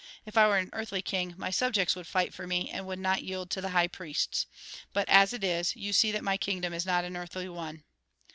If I were an earthly king, my subjects would fight for me, and would not yield to the high priests. But as it is, you see that my kingdom is not an earthly one."